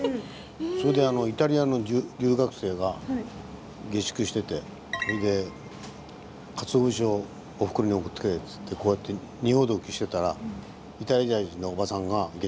それでイタリアの留学生が下宿しててそれでカツオ節をおふくろに「送ってくれ」っつってこうやって荷ほどきしてたらイタリア人の下宿のおばさん